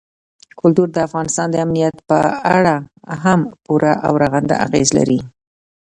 کلتور د افغانستان د امنیت په اړه هم پوره او رغنده اغېز لري.